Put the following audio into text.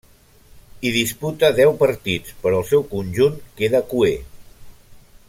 Hi disputa deu partits, però el seu conjunt queda cuer.